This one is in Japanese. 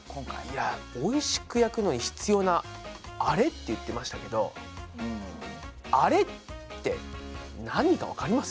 いやおいしく焼くのに必要な「アレ」って言ってましたけどアレって何かわかります？